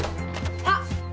あっ！